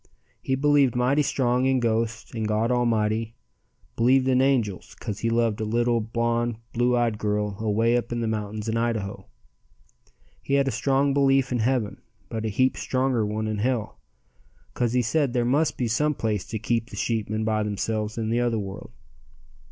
He believed mighty strong in ghosts and God Almighty; believed in angels, 'cause he loved a little, blonde, blue eyed girl away up in the mountains in Idaho. He had a strong belief in heaven, but a heap stronger one in hell, 'cause he said there must be some place to keep the sheepmen by themselves in the other world.